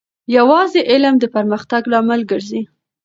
یوازې علم د پرمختګ لامل ګرځي.